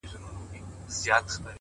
ریښتینی عزت په زور نه ترلاسه کېږي,